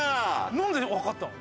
なんでわかったの？